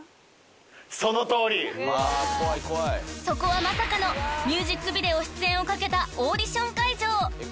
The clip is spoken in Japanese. ［そこはまさかのミュージックビデオ出演を懸けたオーディション会場］